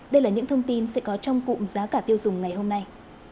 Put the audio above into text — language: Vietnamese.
đây là những thông tin sẽ có trong cụm giá cả tiêu dùng ngày hôm nay